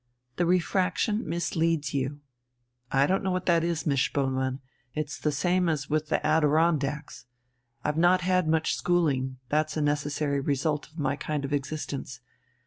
"The refraction misleads you." "I don't know what that is, Miss Spoelmann. It's the same as with the Adirondacks. I've not had much schooling, that's a necessary result of my kind of existence.